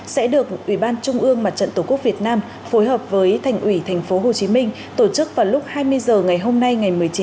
sẽ được ủy ban trung ương mặt trận tổ quốc việt nam phối hợp với thành ủy tp hcm tổ chức vào lúc hai mươi h ngày hôm nay một mươi chín một mươi một